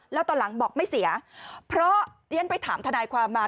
แล้วตอนหลังบอกไม่เสียเพราะเรียนไปถามทนายความมา